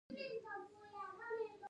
علي بابا تاج د اردو او فارسي ژبو شاعر دی